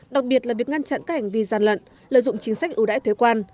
đặc biệt là việc ngăn chặn các hành vi gian lận lợi dụng chính sách ưu đãi thuế quan